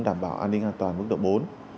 đảm bảo an ninh an toàn mức độ bốn